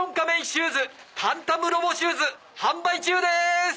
シューズカンタムロボシューズ販売中でーす！